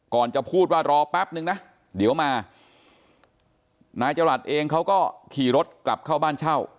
จะพูดว่ารอแป๊บนึงนะเดี๋ยวมานายจรัสเองเขาก็ขี่รถกลับเข้าบ้านเช่า